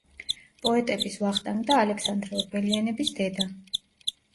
პოეტების ვახტანგ და ალექსანდრე ორბელიანების დედა.